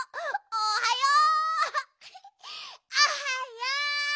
おはよう！